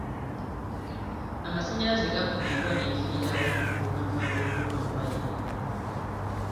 Amasannyalaze gakubye embwa n'efiirawo oluvannyuma lw'okuluma waya.